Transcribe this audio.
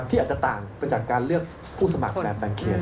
ที่อาจจะต่างไปจากการเลือกผู้สมัครแบบแบ่งเขต